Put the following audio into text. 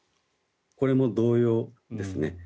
これも同様ですね。